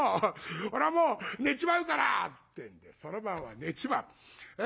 俺はもう寝ちまうから」ってその晩は寝ちまう。